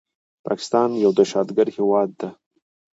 پاکستان يو دهشتګرد هيواد ده